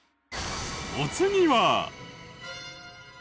お次は。